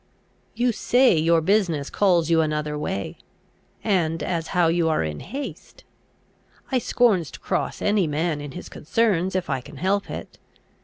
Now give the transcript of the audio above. You say your business calls you another way, and as how you are in haste: I scorns to cross any man in his concerns, if I can help it.